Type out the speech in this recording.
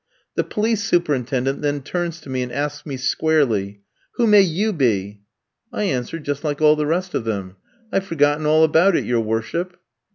"The police superintendent then turns to me and asks me squarely, "'Who may you be?' "I answer just like all the rest of them: "'I've forgotten all about it, your worship.'